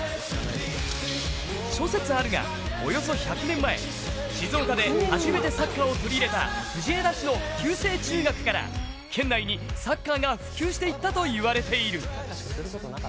諸説あるが、およそ１００年前静岡で初めてサッカーを取り入れた藤枝市の旧制中学から県内にサッカーが普及していったといわれている。